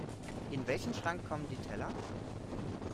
In welchen Schrank kommen die Teller?